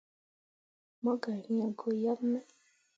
Mo gah yĩĩ goyaɓ me.